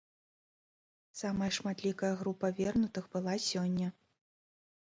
Самая шматлікая група вернутых была сёння.